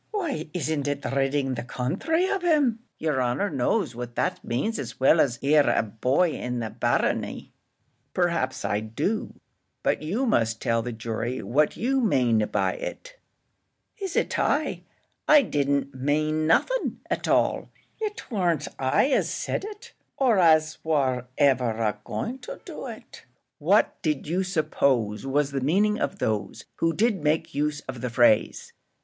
"Why isn't it ridding the counthry of him? yer honour knows what that means as well as ere a boy in the barony." "Perhaps I do; but you must tell the jury what you mane by it." "Is it I? I didn't mane nothin' at all: it warn't I as said it or as war ever a going to do it." "What did you suppose was the meaning of those who did make use of the phrase?"